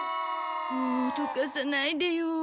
もうおどかさないでよ。